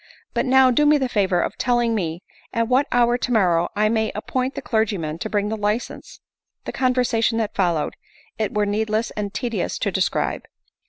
But now do me the favor of telling me at what hour tomorrow I may appoint the clergyman to bring the license ?" The conversation that followed, it were needless and tedious to describe.